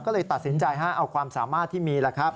ก็เลยตัดสินใจเอาความสามารถที่มีล่ะครับ